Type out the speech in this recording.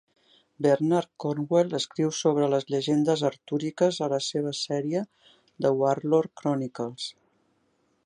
Bernard Cornwell escriu sobre les llegendes artúriques a la seva sèrie, "The Warlord Chronicles".